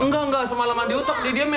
enggak enggak semalaman diutek didiam ya